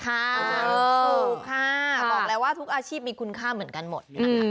ถูกค่ะบอกแล้วว่าทุกอาชีพมีคุณค่าเหมือนกันหมดนะคะ